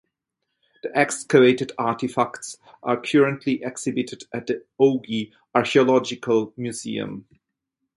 The excavated artifacts are currently exhibited at the Ogi Archaeological Museum.